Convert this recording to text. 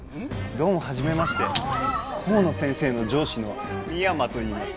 どうも初めまして河野先生の上司の深山といいます